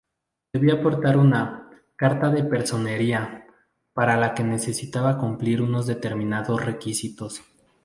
Debía portar una "Carta de personería" para la que necesitaba cumplir unos determinados requisitos.